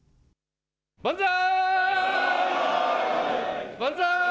万歳。